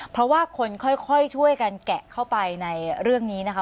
เพราะว่าคนค่อยช่วยกันแกะเข้าไปในเรื่องนี้นะคะ